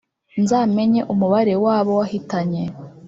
nzamenye umubare wabo wahitanye.